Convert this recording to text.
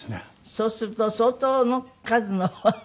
そうすると相当の数のバラに。